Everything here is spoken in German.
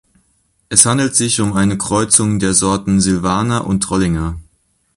Es handelt sich um eine Kreuzung der Sorten Silvaner und Trollinger.